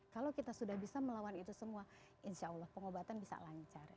kalau kita sudah bisa melawan itu semua insya allah pengobatan bisa lancar